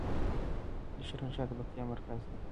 د شرن ښار د پکتیکا مرکز دی